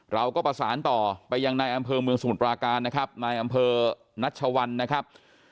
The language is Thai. เราก็ประสานต่อไปยังนายอำเภอเมืองสมุทรปราการนะครับนายอำเภอนัชวันนะครับ